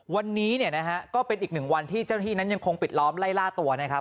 วันนี้เนี่ยนะฮะก็เป็นอีกหนึ่งวันที่เจ้าหน้าที่นั้นยังคงปิดล้อมไล่ล่าตัวนะครับ